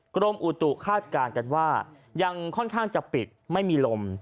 กรมอุตุคาดการณ์กันว่ายังค่อนข้างจะปิดไม่มีลม